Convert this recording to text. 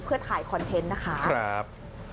เพื่อถ่ายคอนเทนต์นะคะ